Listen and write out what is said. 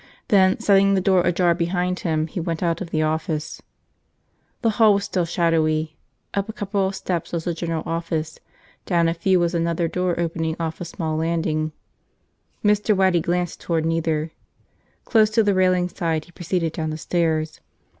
Then, setting the door ajar behind him, he went out of the office. The hall was still shadowy. Up a couple of steps was the general office, down a few was another door opening off a small landing. Mr. Waddy glanced toward neither. Close to the railing side, he proceeded down the stairs.